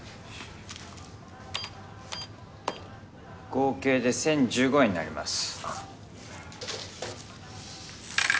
合計で１，０１５円になります。